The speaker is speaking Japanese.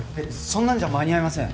そんなんじゃ間に合いません。